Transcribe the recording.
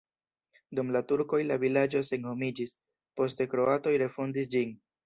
Dum la turkoj la vilaĝo senhomiĝis, poste kroatoj refondis ĝin.